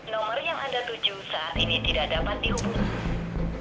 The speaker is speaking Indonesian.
nomor yang anda tuju saat ini tidak dapat dihubungkan